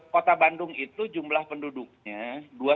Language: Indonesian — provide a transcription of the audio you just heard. kota bandung itu jumlah penduduknya dua lima juta malam hari